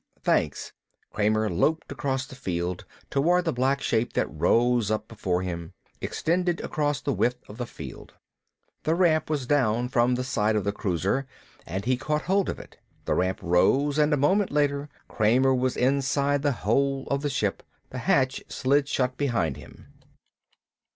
"Thanks." Kramer loped across the field, toward the black shape that rose up above him, extended across the width of the field. The ramp was down from the side of the cruiser and he caught hold of it. The ramp rose, and a moment later Kramer was inside the hold of the ship. The hatch slid shut behind him.